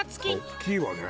「大きいわね」